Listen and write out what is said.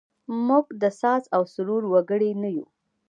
موږ د ساز او سرور وګړي نه یوو.